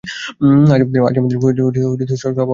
আজ আমাদের সভা হবে না কি।